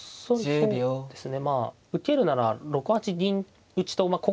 そうなんですね。